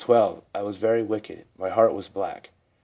i I was very wicked. My heart was black.